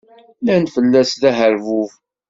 Nnan fell-as d aherbub.